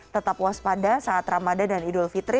tetap waspada saat ramadan dan idul fitri